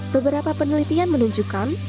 beberapa penelitian menunjukkan